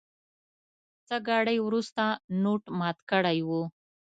څه ګړی وروسته نوټ مات کړی و.